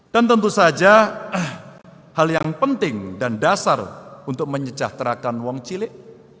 dan tentu saja hal yang penting dan dasar untuk menyejahterakan uang cilik